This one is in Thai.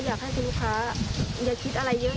อยากให้คุณลูกค้าอย่าคิดอะไรเยอะ